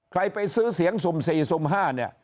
ไปซื้อเสียงสุ่ม๔สุ่ม๕เนี่ย